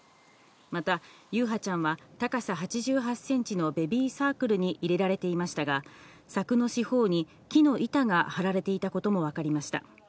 また、優陽ちゃんは高さ８８センチのベビーサークルに入れられていましたが、柵の四方に木の板が張られていたことも分かりました。